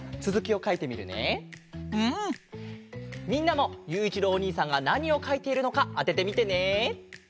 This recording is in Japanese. みんなもゆういちろうおにいさんがなにをかいているのかあててみてね。